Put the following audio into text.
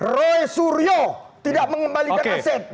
roy suryo tidak mengembalikan aset